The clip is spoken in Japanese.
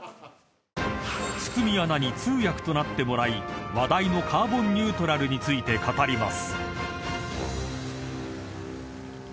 ［堤アナに通訳となってもらい話題のカーボンニュートラルについて語ります］